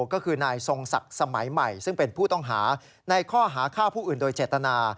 ก็คือนายทรงศักดิ์สมัยใหม่ซึ่งเป็นผู้ต้องหาในข้อหาฆ่าผู้อื่นโดยเจตนา